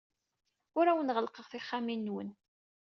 Ur awen-ɣellqeɣ tixxamin-nwen.